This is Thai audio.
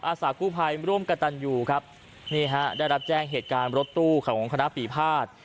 อาสากู้ภัยร่วมกระตันอยู่ครับนี่ฮะได้รับแจ้งเหตุการณ์รถตู้ของคณะปีภาษ